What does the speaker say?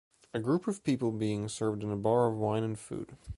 A group of people being served in a bar of wine and food.